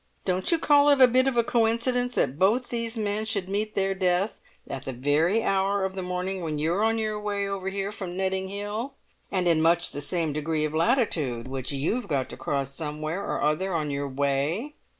Don't you call it a bit of a coincidence that both these men should meet their death at the very hour of the morning when you're on your way over here from Netting Hill, and in much the same degree of latitude, which you've got to cross somewhere or other on your way?